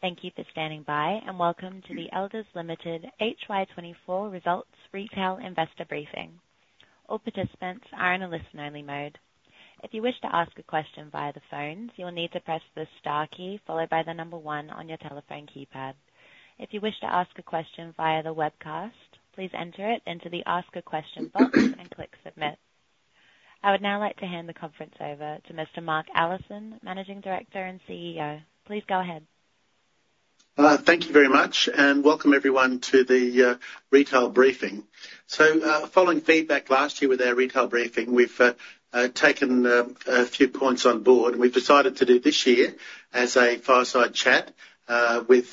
Thank you for standing by, and welcome to the Elders Limited HY24 Results Retail Investor Briefing. All participants are in a listen-only mode. If you wish to ask a question via the phones, you will need to press the star key followed by the number one on your telephone keypad. If you wish to ask a question via the webcast, please enter it into the Ask a Question box and click Submit. I would now like to hand the conference over to Mr. Mark Allison, Managing Director and CEO. Please go ahead. Thank you very much, and welcome everyone to the retail briefing. So, following feedback last year with our retail briefing, we've taken a few points on board, and we've decided to do it this year as a fireside chat, with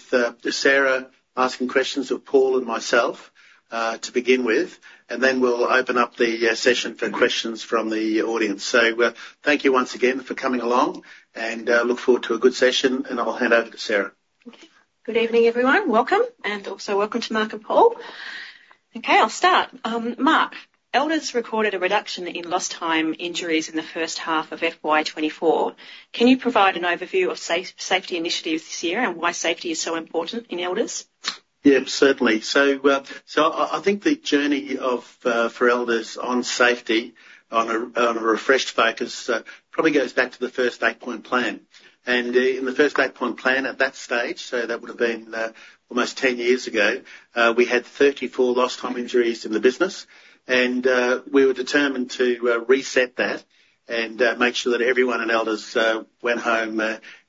Sarah asking questions of Paul and myself, to begin with, and then we'll open up the session for questions from the audience. So, thank you once again for coming along, and look forward to a good session, and I'll hand over to Sarah. Good evening, everyone. Welcome, and also welcome to Mark and Paul. Okay, I'll start. Mark, Elders recorded a reduction in lost time injuries in the H1 of FY 2024. Can you provide an overview of safety initiatives this year, and why safety is so important in Elders? Yeah, certainly. So, I think the journey for Elders on safety, on a refreshed focus, probably goes back to the first Eight Point Plan. In the first Eight Point Plan, at that stage, so that would have been almost 10 years ago, we had 34 lost time injuries in the business, and we were determined to reset that, and make sure that everyone at Elders went home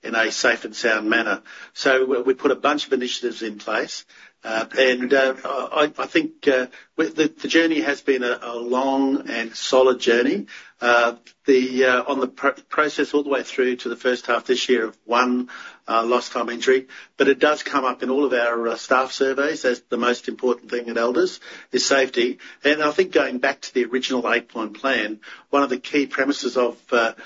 in a safe and sound manner. So we put a bunch of initiatives in place. I think with the... journey has been a long and solid journey. On the process, all the way through to the H1 of this year of one lost time injury, but it does come up in all of our staff surveys as the most important thing at Elders, is safety. And I think going back to the original Eight Point Plan, one of the key premises of the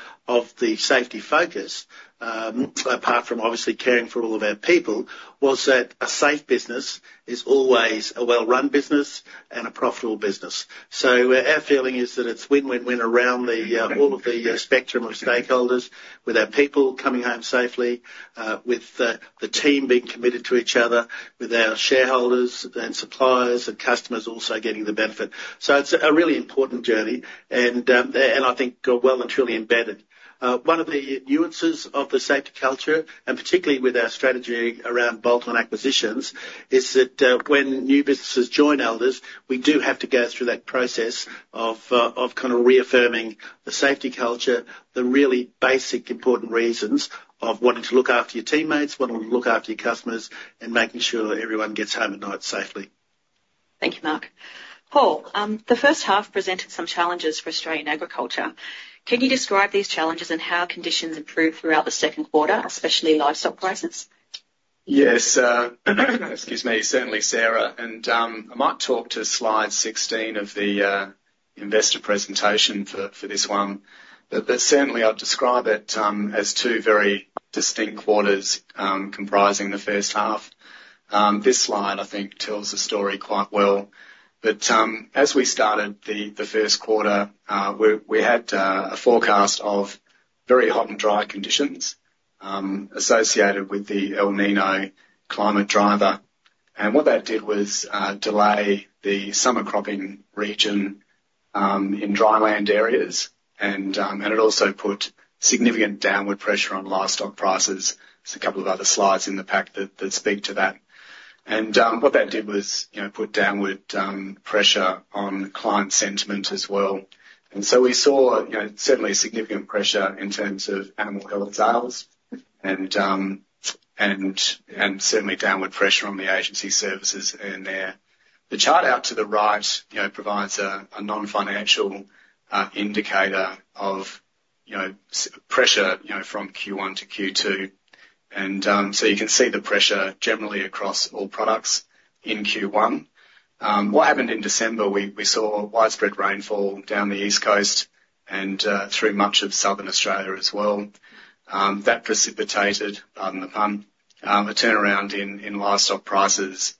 safety focus, apart from obviously caring for all of our people, was that a safe business is always a well-run business and a profitable business. So our feeling is that it's win, win, win around all of the spectrum of stakeholders, with our people coming home safely, with the team being committed to each other, with our shareholders and suppliers and customers also getting the benefit. So it's a really important journey, and I think, well and truly embedded. One of the nuances of the safety culture, and particularly with our strategy around bolt-on acquisitions, is that, when new businesses join Elders, we do have to go through that process of kind of reaffirming the safety culture, the really basic, important reasons of wanting to look after your teammates, wanting to look after your customers, and making sure that everyone gets home at night safely. Thank you, Mark. Paul, the H1 presented some challenges for Australian agriculture. Can you describe these challenges and how conditions improved throughout the Q2, especially livestock prices? Yes. Excuse me, certainly, Sarah, and I might talk to slide 16 of the investor presentation for this one. But certainly I'd describe it as two very distinct quarters comprising the H1. This slide, I think, tells the story quite well. But as we started the Q1, we had a forecast of very hot and dry conditions associated with the El Niño climate driver. And what that did was delay the summer cropping region in dryland areas. And it also put significant downward pressure on livestock prices. There's a couple of other slides in the pack that speak to that. And what that did was, you know, put downward pressure on client sentiment as well. And so we saw, you know, certainly significant pressure in terms of animal health sales, and certainly downward pressure on the agency services in there. The chart out to the right, you know, provides a non-financial indicator of, you know, pressure, you know, from Q1 to Q2. So you can see the pressure generally across all products in Q1. What happened in December, we saw widespread rainfall down the East Coast and through much of Southern Australia as well. That precipitated, pardon the pun, a turnaround in livestock prices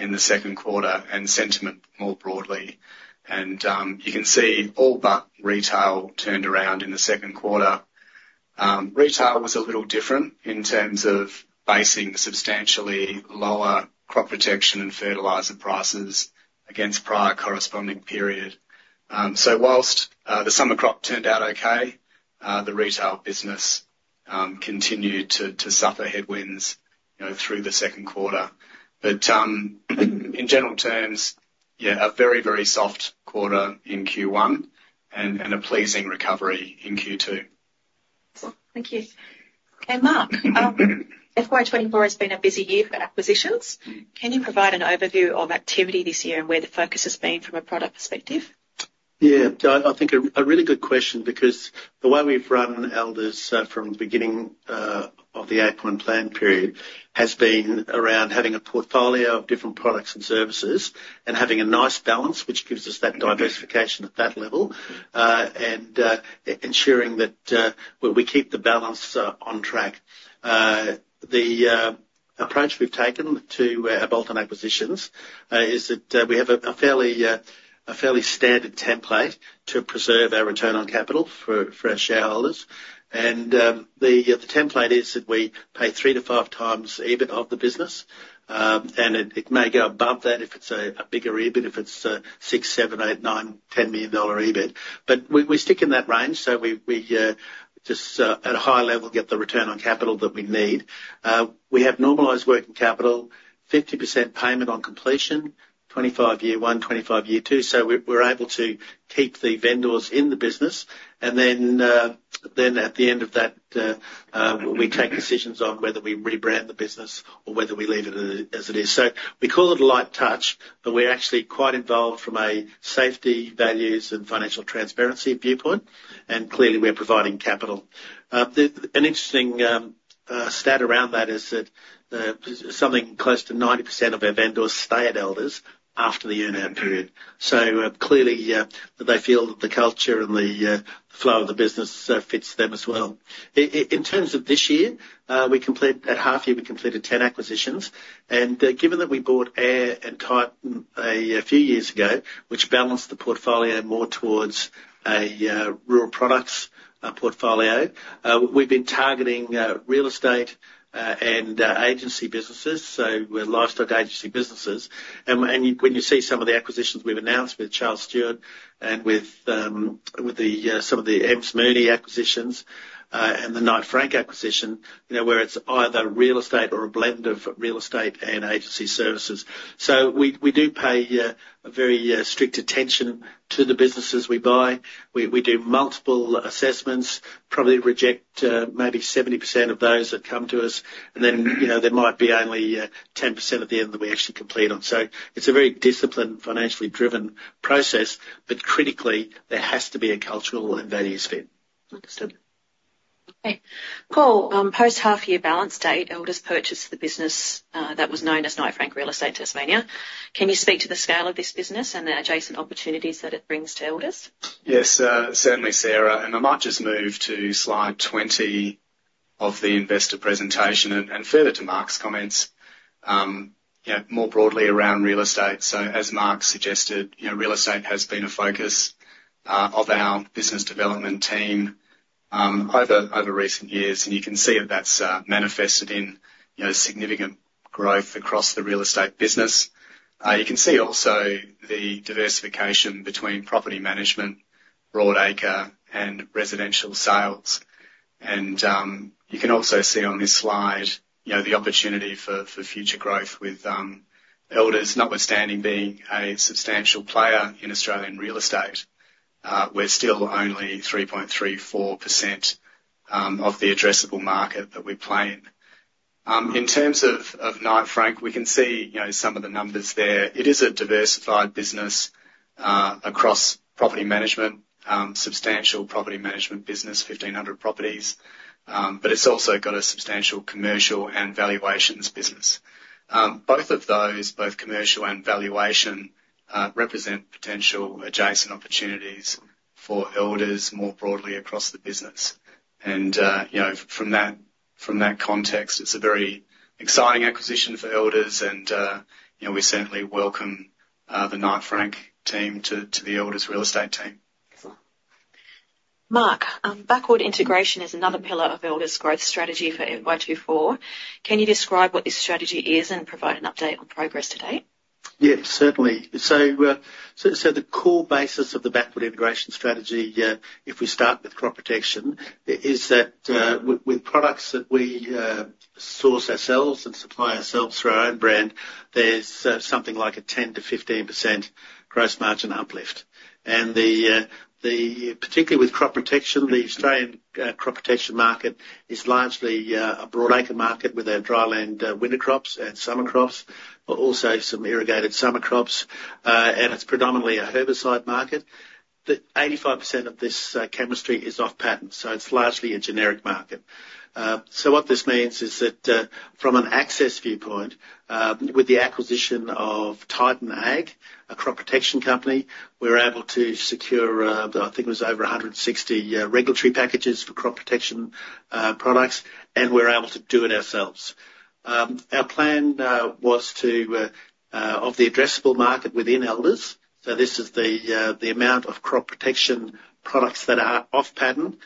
in the Q2, and sentiment more broadly. You can see all but retail turned around in the Q2. Retail was a little different in terms of facing the substantially lower crop protection and fertilizer prices against prior corresponding period. So whilst the summer crop turned out okay, the retail business continued to suffer headwinds, you know, through the Q2. But in general terms, yeah, a very, very soft quarter in Q1, and a pleasing recovery in Q2. Thank you. Mark, FY 2024 has been a busy year for acquisitions. Can you provide an overview of activity this year, and where the focus has been from a product perspective? Yeah. I think a really good question, because the way we've run Elders from the beginning of the Eight-Point Plan period has been around having a portfolio of different products and services, and having a nice balance, which gives us that diversification at that level, and ensuring that we keep the balance on track. The approach we've taken to our bolt-on acquisitions is that we have a fairly standard template to preserve our return on capital for our shareholders. And the template is that we pay 3x-5x EBIT of the business. And it may go above that if it's a bigger EBIT, if it's 6 million, 7 million, 8 million, 9 million, or 10 million dollar EBIT. But we stick in that range, so we at a high level get the return on capital that we need. We have normalized working capital, 50% payment on completion, 25 year one, 25 year two, so we're able to keep the vendors in the business. And then at the end of that, we take decisions on whether we rebrand the business or whether we leave it as it is. So we call it a light touch, but we're actually quite involved from a safety, values, and financial transparency viewpoint, and clearly, we're providing capital. An interesting stat around that is that something close to 90% of our vendors stay at Elders after the earn-out period. So, clearly, they feel that the culture and the flow of the business fits them as well. In terms of this year, we completed. At half year, we completed 10 acquisitions, and given that we bought AIRR and Titan a few years ago, which balanced the portfolio more towards a rural products portfolio, we've been targeting real estate and agency businesses, so with livestock agency businesses. And when you see some of the acquisitions we've announced with Charles Stewart and with some of the Emms Mooney acquisitions, and the Knight Frank acquisition, you know, where it's either real estate or a blend of real estate and agency services. So we do pay a very strict attention to the businesses we buy. We do multiple assessments, probably reject maybe 70% of those that come to us, and then, you know, there might be only 10% at the end that we actually complete on. So it's a very disciplined, financially driven process, but critically, there has to be a cultural and values fit. Understood. Okay. Paul, post half year balance date, Elders purchased the business that was known as Knight Frank Real Estate Tasmania. Can you speak to the scale of this business, and the adjacent opportunities that it brings to Elders? Yes, certainly, Sarah, and I might just move to slide 20 of the investor presentation, and further to Mark's comments. Yeah, more broadly around real estate, so as Mark suggested, you know, real estate has been a focus of our business development team over recent years, and you can see that that's manifested in, you know, significant growth across the real estate business. You can see also the diversification between property management, broadacre, and residential sales. And you can also see on this slide, you know, the opportunity for future growth with Elders, notwithstanding being a substantial player in Australian real estate, we're still only 3.34% of the addressable market that we play in. In terms of Knight Frank, we can see, you know, some of the numbers there. It is a diversified business, across property management, substantial property management business, 1,500 properties, but it's also got a substantial commercial and valuations business. Both of those, both commercial and valuation, represent potential adjacent opportunities for Elders more broadly across the business. And, you know, from that, from that context, it's a very exciting acquisition for Elders, and, you know, we certainly welcome, the Knight Frank team to the Elders real estate team. Excellent. Mark, backward integration is another pillar of Elders' growth strategy for FY 2024. Can you describe what this strategy is, and provide an update on progress to date? Yeah, certainly. So, the core basis of the backward integration strategy, if we start with crop protection, is that, with products that we source ourselves and supply ourselves through our own brand, there's something like a 10%-15% gross margin uplift. And the, particularly with crop protection, the Australian crop protection market is largely a broadacre market with our dry land winter crops and summer crops, but also some irrigated summer crops. And it's predominantly a herbicide market, that 85% of this chemistry is off patent, so it's largely a generic market. So what this means is that, from an access viewpoint, with the acquisition of Titan AG, a crop protection company, we're able to secure, I think it was over 160 regulatory packages for crop protection products, and we're able to do it ourselves. Our plan was to of the addressable market within Elders, so this is the amount of crop protection products that are off patent.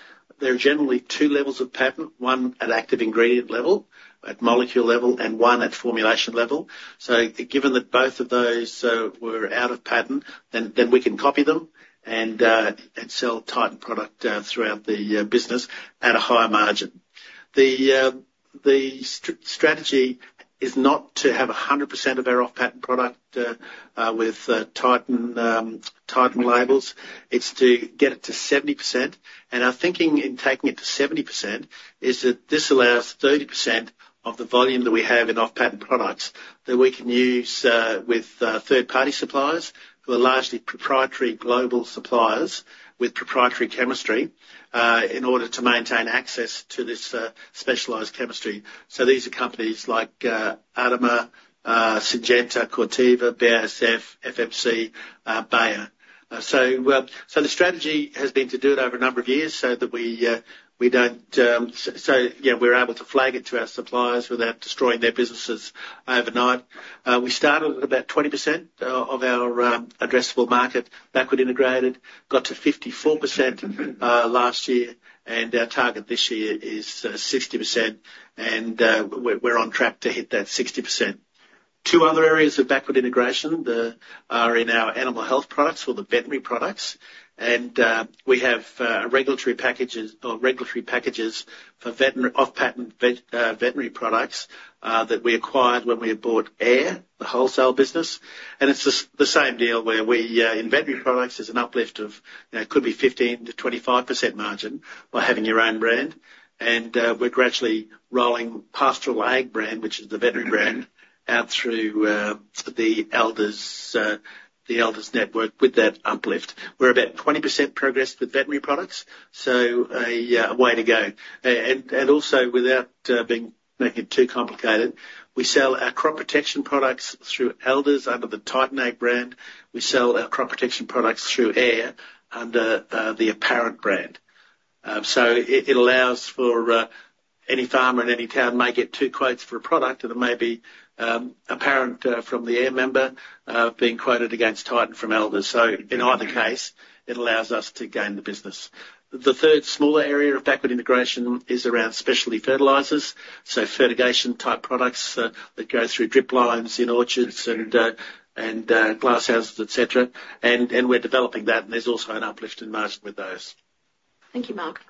There are generally two levels of patent, one at active ingredient level, at molecule level, and one at formulation level. So given that both of those were out of patent, then we can copy them and sell Titan product throughout the business at a higher margin. The strategy is not to have 100% of our off-patent product with Titan labels. It's to get it to 70%, and our thinking in taking it to 70% is that this allows 30% of the volume that we have in off-patent products that we can use with third-party suppliers, who are largely proprietary global suppliers with proprietary chemistry in order to maintain access to this specialized chemistry. So these are companies like Adama, Syngenta, Corteva, BASF, FMC, Bayer. So, well, so the strategy has been to do it over a number of years, so that we don't, so yeah, we're able to flag it to our suppliers without destroying their businesses overnight. We started with about 20% of our addressable market, backward integrated, got to 54% last year, and our target this year is 60%, and we're, we're on track to hit that 60%. Two other areas of backward integration are in our animal health products or the veterinary products, and we have regulatory packages or regulatory packages for off-patent veterinary products that we acquired when we bought AIRR, the wholesale business. And it's the same deal where we, in veterinary products, there's an uplift of could be 15%-25% margin by having your own brand. And we're gradually rolling Pastoral Ag brand, which is the veterinary brand, out through the Elders network with that uplift. We're about 20% progressed with veterinary products, so a way to go. And also, without making it too complicated, we sell our crop protection products through Elders under the Titan Ag brand. We sell our crop protection products through AIRR under the Apparent brand. So it, it allows for any farmer in any town may get two quotes for a product, and it may be Apparent from the AIRR member being quoted against Titan from Elders. So in either case, it allows us to gain the business. The third smaller area of backward integration is around specialty fertilizers, so fertigation-type products that go through drip lines in orchards and glasshouses, et cetera. And we're developing that, and there's also an uplift in margin with those. Thank you, Mark.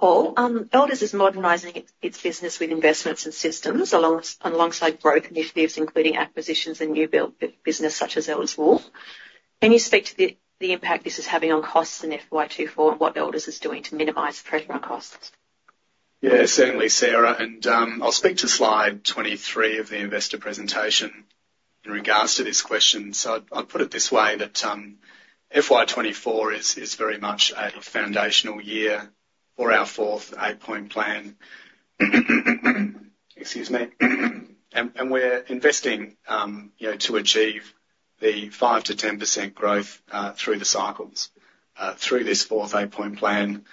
Paul, Elders is modernizing its business with investments and systems, alongside growth initiatives, including acquisitions and new build business, such as Elders Wool. Can you speak to the impact this is having on costs in FY 24, and what Elders is doing to minimize pressure on costs? Yeah, certainly, Sarah, and I'll speak to slide 23 of the investor presentation in regards to this question. So I'd put it this way, that FY 2024 is very much a foundational year for our fourth Eight Point Plan. Excuse me. And we're investing, you know, to achieve the 5%-10% growth through the cycles through this fourth Eight Point Plan.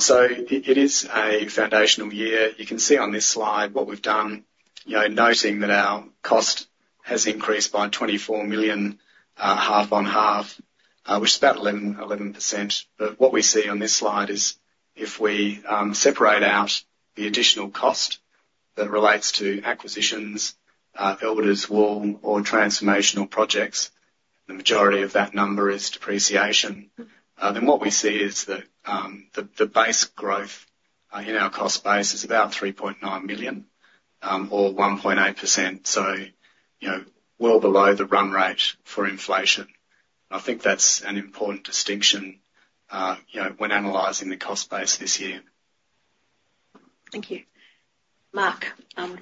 So it is a foundational year. You can see on this slide what we've done, you know, noting that our cost has increased by 24 million half-on-half, which is about 11%. But what we see on this slide is, if we separate out the additional cost that relates to acquisitions, Elders Wool or transformational projects, the majority of that number is depreciation. Then what we see is that the base growth in our cost base is about 3.9 million, or 1.8%, so, you know, well below the run rate for inflation. I think that's an important distinction, you know, when analyzing the cost base this year. Thank you. Mark,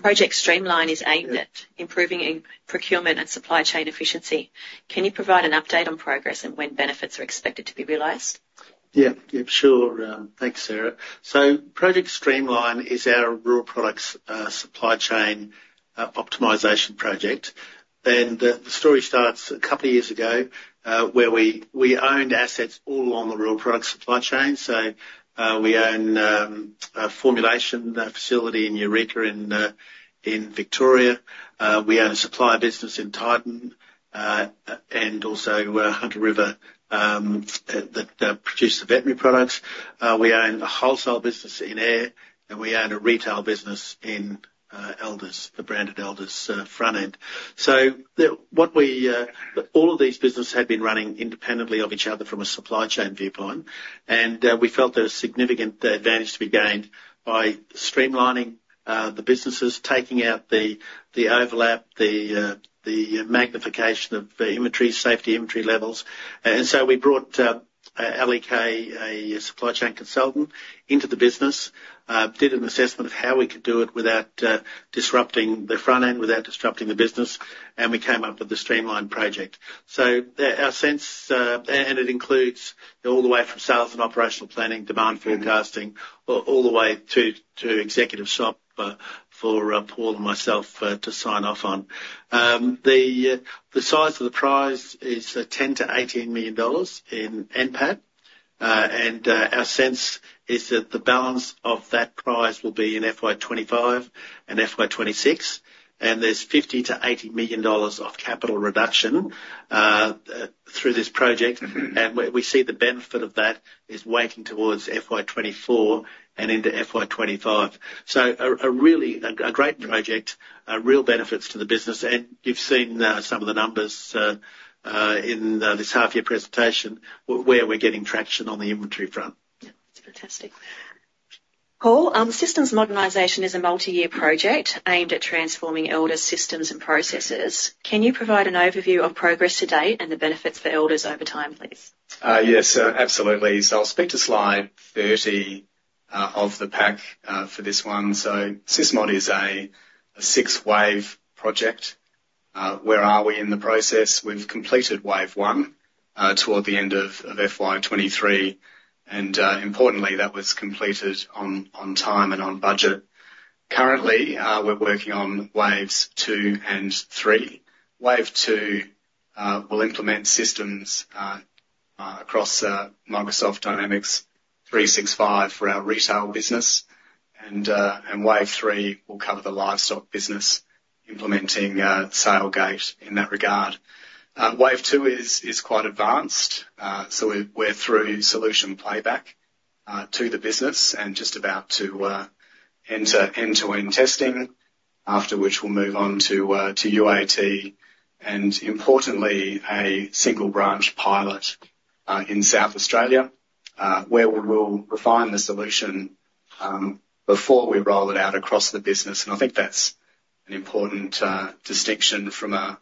Project Streamline is aimed at improving in procurement and supply chain efficiency. Can you provide an update on progress and when benefits are expected to be realized? Yeah. Yeah, sure, thanks, Sarah. So Project Streamline is our rural products supply chain optimization project. And, the story starts a couple of years ago, where we owned assets all along the rural product supply chain. So, we own a formulation facility in Eureka, in Victoria. We own a supply business in Titan, and also, Hunter River, that produce the veterinary products. We own a wholesale business in AIRR, and we own a retail business in Elders, the branded Elders front end. So what we, all of these businesses had been running independently of each other from a supply chain viewpoint, and we felt there was significant advantage to be gained by streamlining the businesses, taking out the overlap, the magnification of the inventory, safety inventory levels. So we brought L.E.K., a supply chain consultant, into the business, did an assessment of how we could do it without disrupting the front end, without disrupting the business, and we came up with the Streamline project. So our sense. And it includes all the way from sales and operational planning, demand forecasting, all the way to executive S&OP for Paul and myself to sign off on. The size of the prize is 10 million-18 million dollars in NPAT. Our sense is that the balance of that prize will be in FY 2025 and FY 2026, and there's 50 million-80 million dollars of capital reduction through this project. And we see the benefit of that is weighting towards FY 2024 and into FY 2025. So a really great project, real benefits to the business, and you've seen some of the numbers in this half-year presentation, where we're getting traction on the inventory front. Yeah, that's fantastic. Paul, Systems Modernisation is a multi-year project aimed at transforming Elders' systems and processes. Can you provide an overview of progress to date and the benefits for Elders over time, please? Yes, absolutely. So I'll speak to slide 30 of the pack for this one. So SysMod is a six-wave project. Where are we in the process? We've completed wave one toward the end of FY 2023, and importantly, that was completed on time and on budget. Currently, we're working on waves two and three. Wave two will implement systems across Microsoft Dynamics 365 for our retail business. And wave three will cover the livestock business, implementing Salegate in that regard. Wave two is quite advanced, so we're through solution playback to the business, and just about to enter end-to-end testing, after which we'll move on to UAT, and importantly, a single branch pilot in South Australia, where we will refine the solution before we roll it out across the business. I think that's an important distinction from a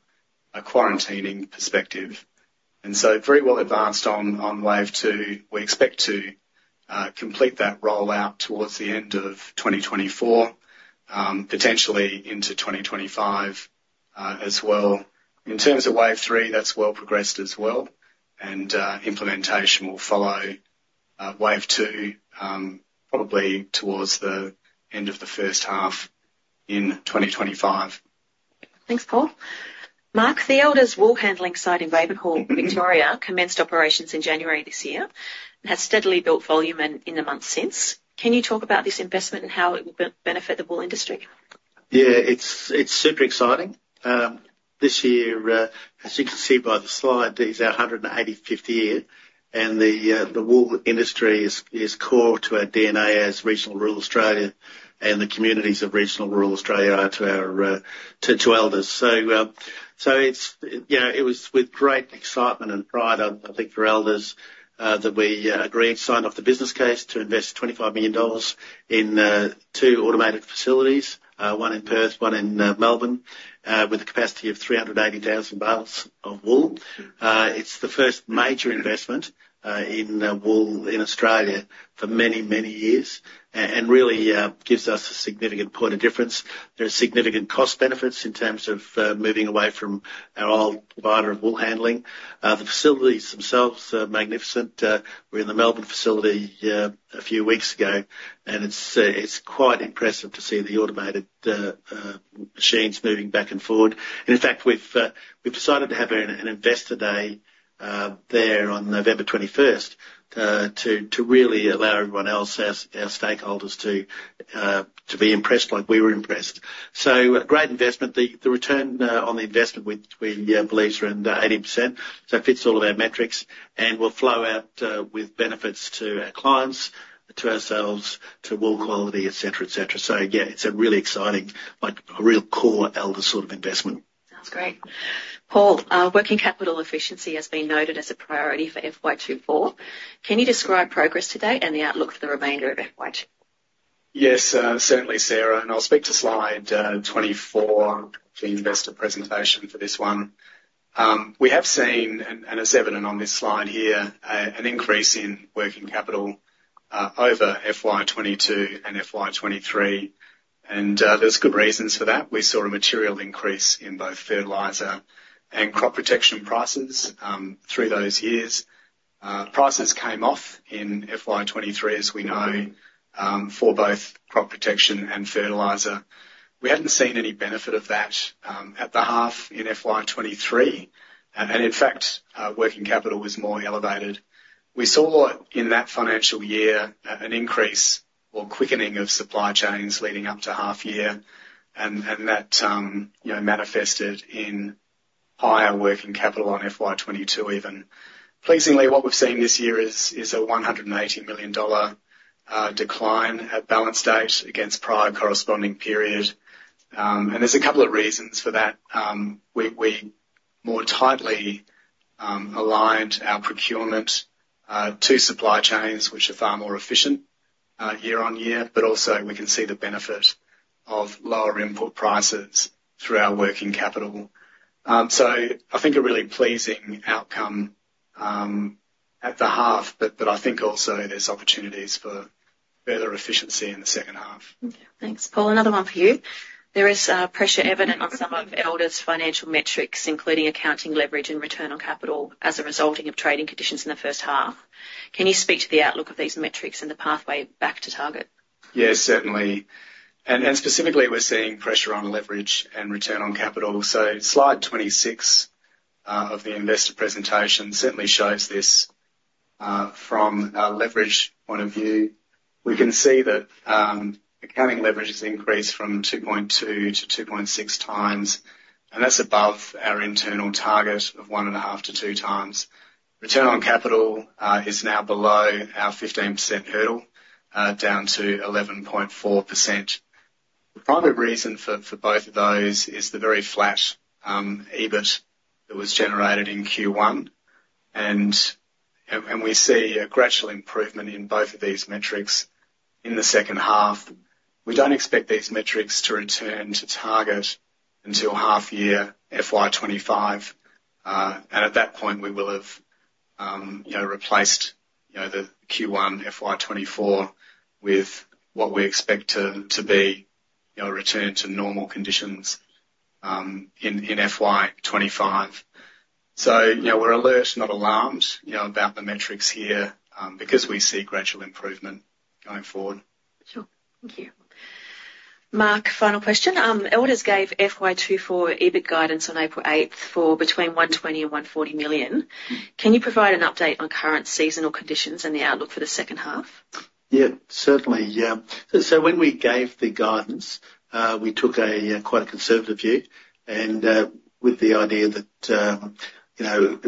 quarantining perspective, and so very well advanced on wave two. We expect to complete that rollout towards the end of 2024, potentially into 2025, as well. In terms of wave three, that's well progressed as well, and implementation will follow wave two, probably towards the end of the H1 in 2025. Thanks, Paul. Mark, the Elders wool handling site in Ravenhall, Victoria, commenced operations in January this year, and has steadily built volume in the months since. Can you talk about this investment and how it will benefit the wool industry? Yeah, it's super exciting. This year, as you can see by the slide, is our 185th year, and the wool industry is core to our DNA as regional rural Australia, and the communities of regional rural Australia are to our Elders. So, it's, you know, it was with great excitement and pride, I think, for Elders, that we agreed, signed off the business case to invest 25 million dollars in two automated facilities, one in Perth, one in Melbourne, with a capacity of 380,000 bales of wool. It's the first major investment in wool in Australia for many, many years, and really gives us a significant point of difference. There are significant cost benefits in terms of moving away from our old provider of wool handling. The facilities themselves are magnificent. We were in the Melbourne facility a few weeks ago, and it's quite impressive to see the automated machines moving back and forward. In fact, we've decided to have an investor day there on November 21st to really allow everyone else, our stakeholders, to be impressed like we were impressed. So a great investment. The return on the investment, which we believe is around 80%, so it fits all of our metrics, and will flow out with benefits to our clients, to ourselves, to wool quality, et cetera, et cetera. So again, it's a really exciting, like, a real core Elders sort of investment. Sounds great. Paul, working capital efficiency has been noted as a priority for FY 24. Can you describe progress to date and the outlook for the remainder of FY 24? Yes, certainly, Sarah, and I'll speak to slide 24 for the investor presentation for this one. We have seen, and as evident on this slide here, an increase in working capital over FY 2022 and FY 2023, and there's good reasons for that. We saw a material increase in both fertilizer and crop protection prices through those years. Prices came off in FY 2023, as we know, for both crop protection and fertilizer. We hadn't seen any benefit of that at the half in FY 2023, and in fact, working capital was more elevated. We saw in that financial year an increase or quickening of supply chains leading up to half year, and that, you know, manifested in higher working capital on FY 2022, even. Pleasingly, what we've seen this year is a $180 million decline at balance date against prior corresponding period. There's a couple of reasons for that. We more tightly aligned our procurement to supply chains, which are far more efficient year on year, but also, we can see the benefit of lower input prices through our working capital. So I think a really pleasing outcome at the half, but I think also there's opportunities for further efficiency in the H2. Okay, thanks, Paul. Another one for you. There is pressure evident on some of Elders' financial metrics, including accounting leverage and return on capital, as a result of trading conditions in the H1. Can you speak to the outlook of these metrics and the pathway back to target? Yeah, certainly. And specifically, we're seeing pressure on leverage and return on capital. So slide 26 of the investor presentation certainly shows this. From a leverage point of view, we can see that accounting leverage has increased from 2.2x to 2.6x, and that's above our internal target of 1.5x-2x. Return on capital is now below our 15% hurdle, down to 11.4%. The primary reason for both of those is the very flat EBIT that was generated in Q1, and we see a gradual improvement in both of these metrics in the H2. We don't expect these metrics to return to target until half year FY 2025. And at that point, we will have-... you know, replaced, you know, the Q1 FY 24 with what we expect to be, you know, a return to normal conditions, in FY 25. So, you know, we're alert, not alarmed, you know, about the metrics here, because we see gradual improvement going forward. Sure. Thank you. Mark, final question. Elders gave FY 2024 EBIT guidance on April 8 for between 120 million and 140 million. Can you provide an update on current seasonal conditions and the outlook for the H2? Yeah, certainly, yeah. So, when we gave the guidance, we took a quite a conservative view, and, with the idea that, you know,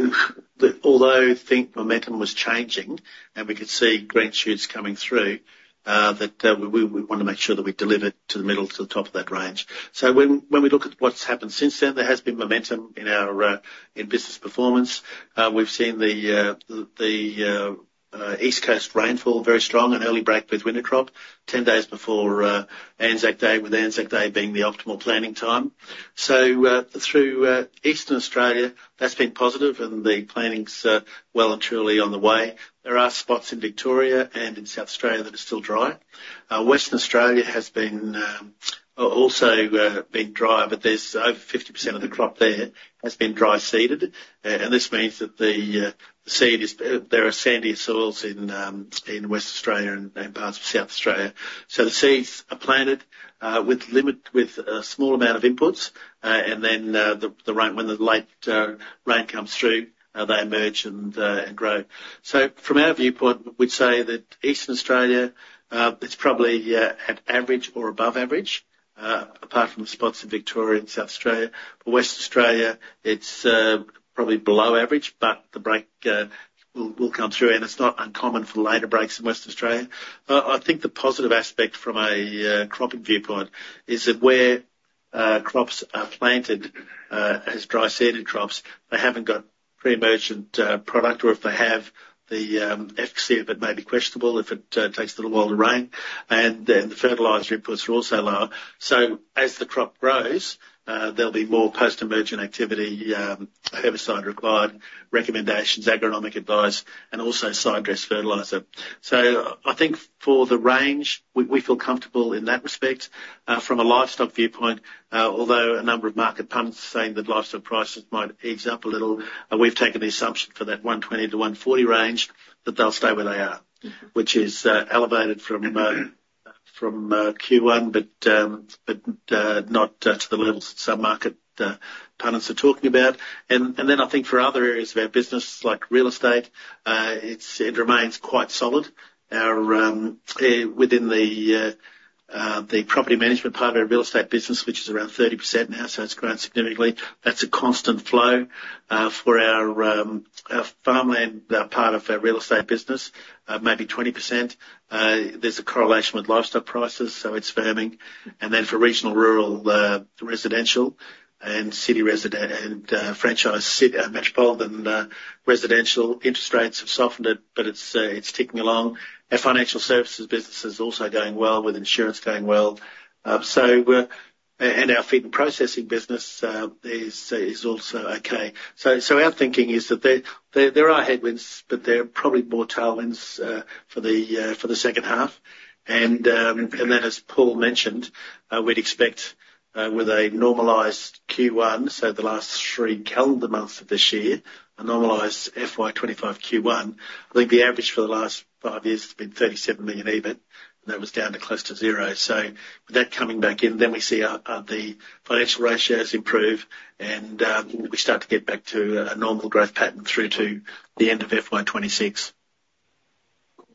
although think momentum was changing and we could see green shoots coming through, that, we wanna make sure that we delivered to the middle, to the top of that range. So when we look at what's happened since then, there has been momentum in our business performance. We've seen the East Coast rainfall very strong and early break with winter crop, 10 days before Anzac Day, with Anzac Day being the optimal planning time. So, through Eastern Australia, that's been positive and the planning's well and truly on the way. There are spots in Victoria and in South Australia that are still dry. Western Australia has also been dry, but there's over 50% of the crop there has been dry seeded. And this means that there are sandier soils in Western Australia and parts of South Australia. So the seeds are planted with a small amount of inputs, and then the rain, when the late rain comes through, they emerge and grow. So from our viewpoint, we'd say that Eastern Australia it's probably at average or above average, apart from the spots in Victoria and South Australia. But Western Australia, it's probably below average, but the break will come through, and it's not uncommon for later breaks in Western Australia. I think the positive aspect from a cropping viewpoint is that where crops are planted as dry seeded crops, they haven't got pre-emergent product or if they have, the efficacy of it may be questionable if it takes a little while to rain. And then the fertilizer inputs are also lower. So as the crop grows, there'll be more post-emergent activity, herbicide required, recommendations, agronomic advice, and also sidedress fertilizer. So I think for the range, we feel comfortable in that respect. From a livestock viewpoint, although a number of market punters are saying that livestock prices might ease up a little, we've taken the assumption for that 120-140 range that they'll stay where they are, which is elevated from Q1, but not to the levels some market punters are talking about. And then I think for other areas of our business, like real estate, it remains quite solid. Within the property management part of our real estate business, which is around 30% now, so it's grown significantly. That's a constant flow for our farmland part of our real estate business, maybe 20%. There's a correlation with livestock prices, so it's firming. And then for regional, rural residential and city residential and franchise city metropolitan residential interest rates have softened it, but it's ticking along. Our financial services business is also going well, with insurance going well. And our feed and processing business is also okay. So our thinking is that there are headwinds, but there are probably more tailwinds for the H2. And then as Paul mentioned, we'd expect with a normalized Q1, so the last three calendar months of this year, a normalized FY 2025 Q1, I think the average for the last five years has been 37 million EBIT, and that was down to close to zero. So with that coming back in, then we see our the financial ratios improve, and we start to get back to a normal growth pattern through to the end of FY 2026.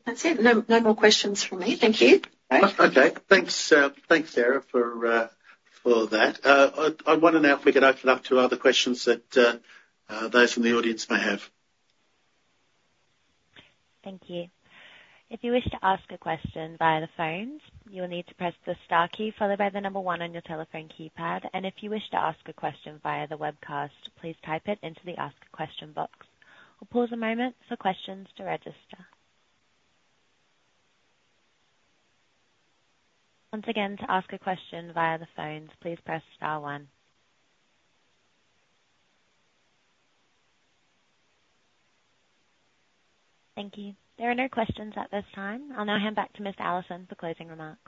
That's it. No, no more questions from me. Thank you. Okay. Thanks, Sarah, for that. I wonder now if we could open up to other questions that those in the audience may have. Thank you. If you wish to ask a question via the phones, you will need to press the star key followed by the number one on your telephone keypad, and if you wish to ask a question via the webcast, please type it into the Ask a Question box. I'll pause a moment for questions to register. Once again, to ask a question via the phones, please press star one. Thank you. There are no questions at this time. I'll now hand back to Mr. Allison for closing remarks.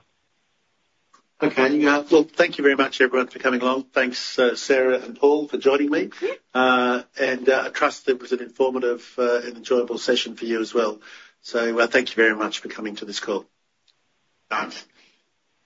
Okay. Well, thank you very much, everyone, for coming along. Thanks, Sarah and Paul, for joining me. Yeah. I trust it was an informative and enjoyable session for you as well. So, thank you very much for coming to this call. Thanks.